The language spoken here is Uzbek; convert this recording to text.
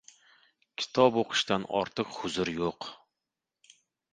• Kitob o‘qishdan ortiq huzur yo‘q.